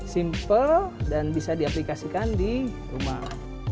simple dan bisa diaplikasikan di rumah